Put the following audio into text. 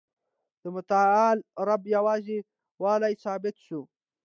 د متعال رب یوازي والی ثابت سو.